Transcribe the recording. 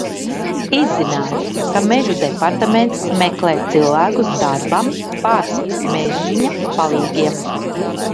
Izzināju, ka Mežu departaments meklē cilvēkus darbam par mežziņa palīgiem.